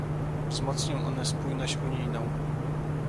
Wzmocnią one spójność unijną